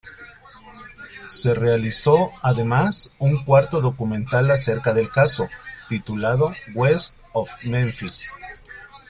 Se realizó además un cuarto documental acerca del caso, titulado "West of Memphis".